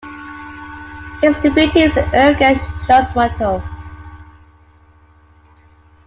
His deputy is Ergash Shoismatov.